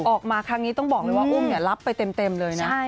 ออกมาครั้งนี้ต้องบอกเลยว่าอุ้มรับไปเต็มเลยนะ